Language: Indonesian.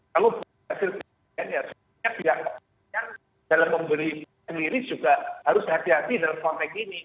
kalau hasil penyidikan ya sebenarnya pihak pihak yang dalam memberi penyidikan ini juga harus hati hati dalam konteks ini